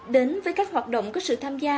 đến với các hoạt động có sự tham gia